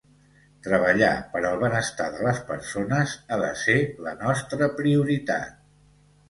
Treballar per al benestar de les persones ha de ser la nostra prioritat